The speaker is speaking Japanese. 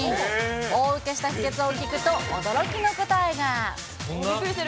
大ウケした秘けつを聞くと、驚きの答えが。